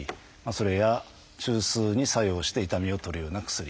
それや中枢に作用して痛みを取るような薬。